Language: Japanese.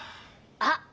あっ！